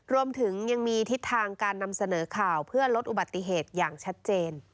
รวมถึงยังมีทิศทางการนำเสนอข่าวเพื่อลดอุบัติเหตุอย่างชัดเจน